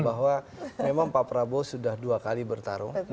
bahwa memang pak prabowo sudah dua kali bertarung